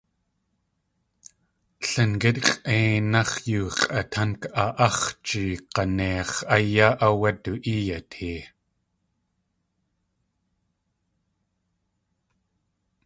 Lingít x̲ʼéináx̲ yoo x̲ʼatánk a.áx̲ji g̲aneix̲ yáx̲ áwé du ée yatee.